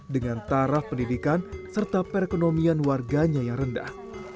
dengan taraf pendidikan serta perekonomian warganya yang rendah